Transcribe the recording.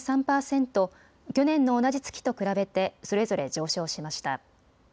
去年の同じ月と比べてそれぞれ上昇しました。